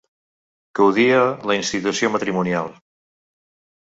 Que odia la institució matrimonial.